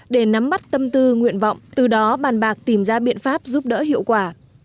để nắm bắt tâm tư nguyện vọng từ đó bàn bạc tìm ra biện pháp giúp đỡ hiệu quả